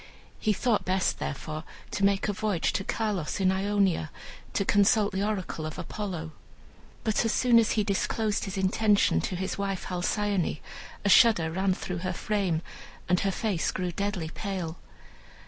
He thought best, therefore, to make a voyage to Carlos in Ionia, to consult the oracle of Apollo. But as soon as he disclosed his intention to his wife Halcyone, a shudder ran through her frame, and her face grew deadly pale.